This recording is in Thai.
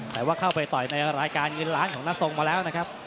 แต่ว่าเข้าไปต่อยในรายการเงินล้านของน้าทรงมาแล้วนะครับ